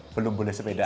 belum boleh sepeda